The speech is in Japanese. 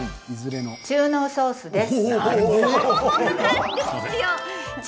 中濃ソースです。